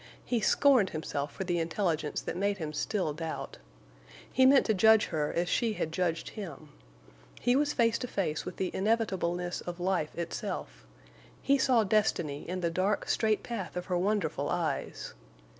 He scorned himself for the intelligence that made him still doubt. He meant to judge her as she had judged him. He was face to face with the inevitableness of life itself. He saw destiny in the dark, straight path of her wonderful eyes.